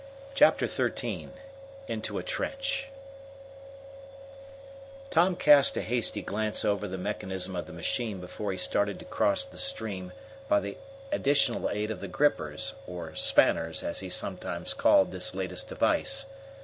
Chapter XIII Into a Trench Tom cast a hasty glance over the mechanism of the machine before he started to cross the stream by the additional aid of the grippers, or spanners, as he sometimes called this latest device.